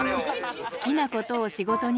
「好きなことを仕事にする」。